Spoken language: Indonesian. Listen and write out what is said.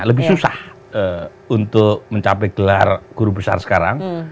lebih susah untuk mencapai gelar guru besar sekarang